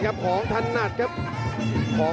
โหโหโหโหโหโห